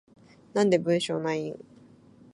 なんで文章ないん？